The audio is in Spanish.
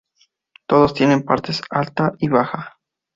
Todas tienen partes alta y baja.